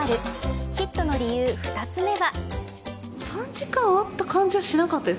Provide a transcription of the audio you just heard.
ヒットの理由、２つ目は。